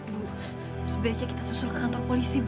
bu sebaiknya kita susul ke kantor polisi bu